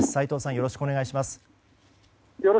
よろしくお願いします。